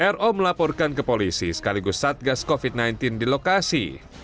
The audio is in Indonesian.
ro melaporkan ke polisi sekaligus satgas covid sembilan belas di lokasi